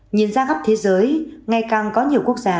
nhìn ra khắp thế giới ngày càng có nhiều quốc gia